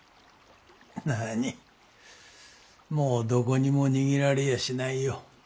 何もうどこにも逃げられやしないよ。